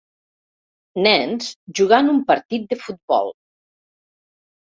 Nens jugant un partit de futbol.